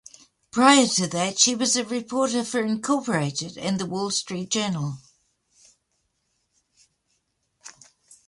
Prior to that, she was a reporter for "Incorporated" and the "Wall Street Journal".